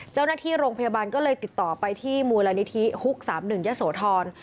เจ้าหน้าที่โรงพยาบาลก็เลยติดต่อไปที่มูลนิธิฮุก๓๑ยะโสธร